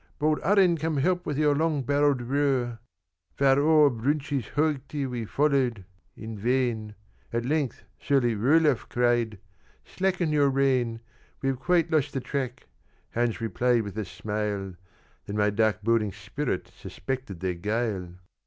Bold Arend come help with your long barrelled roer.' "Far o'er Bruintjes hoogtè we followed in vain: At length surly Roelof cried, 'Slacken your rein; We have quite lost the track' Hans replied with a smile, Then my dark boding spirit suspected their guile.